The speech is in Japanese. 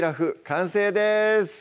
完成です